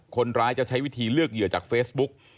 คนร้ายจะใช้วิธีเลือกเหยื่อจากเฟซบุ๊ก